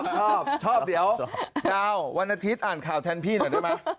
ชอบชอบเดี๋ยวดาววันอาทิตย์อ่านข่าวแทนพี่หน่อยได้ไหม